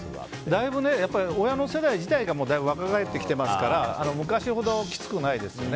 だいぶ、親の世代自体が若返ってきていますから昔ほど、きつくないですよね。